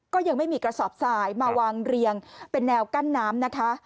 ก็ยังไม่มีกระสอบสายมาวางเรียงเป็นแนวกั้นน้ำนะคะ